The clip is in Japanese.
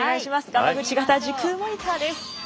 ガマグチ型時空モニターです。